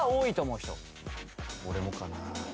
俺もかな